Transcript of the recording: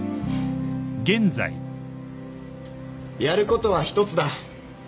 やることは一つだ。